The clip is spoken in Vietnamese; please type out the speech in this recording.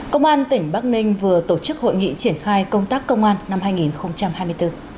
công an tỉnh bắc ninh vừa tổ chức hội nghị triển khai công tác công an năm hai nghìn hai mươi bốn